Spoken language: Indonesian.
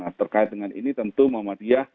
karena terkait dengan ini tentu muhammadiyah